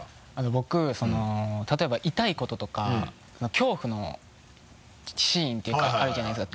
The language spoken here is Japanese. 僕例えば痛いこととか恐怖のシーンっていうかあるじゃないですか。